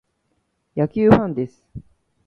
野球ファンです。